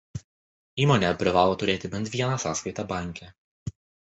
Įmonė privalo turėti bent vieną sąskaitą banke.